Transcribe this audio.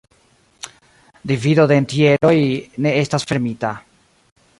Divido de entjeroj ne estas fermita.